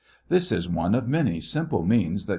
This is one of many simple means that